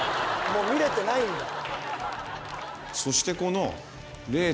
もう見れてないんだ